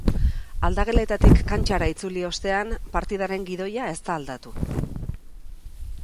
Aldageletatik kantxara itzuli ostean, partidaren gidoia ez da aldatu.